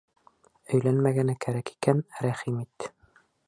Өйләнмәгәне кәрәк икән, рәхим ит!